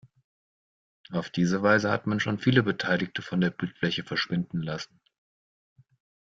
Auf diese Weise hat man schon viele Beteiligte von der Bildfläche verschwinden lassen.